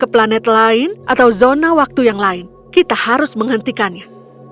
planet lain atau zona waktu yang lain kita harus menghentikannya